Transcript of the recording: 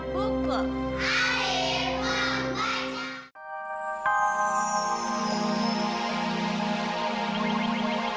budi sedang belajar